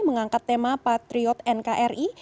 mengangkat tema patriot nkri